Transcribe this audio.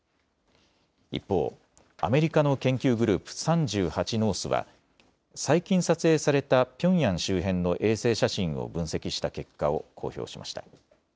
一方、アメリカの研究グループ３８ノースは最近撮影されたピョンヤン周辺の衛星写真を分析した結果を公表しました。